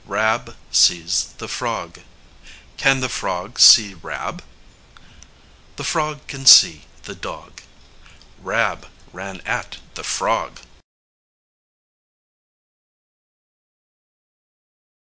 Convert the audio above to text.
Rab sees the frog. Can the frog see Rab? The frog can see the dog. Rab ran at the frog.